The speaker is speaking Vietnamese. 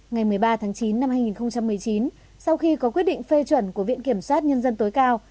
ngày một mươi ba tháng chín năm hai nghìn một mươi chín sau khi có quyết định phê chuẩn của viện kiểm sát nhân dân tối cao